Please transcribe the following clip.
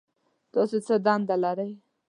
تاسو څه دنده لرئ؟